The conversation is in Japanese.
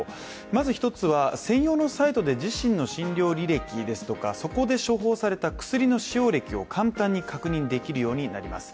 まず１つは専用のサイトで自身の診療履歴ですとかそこで処方された薬の使用歴を簡単に確認できるようになります。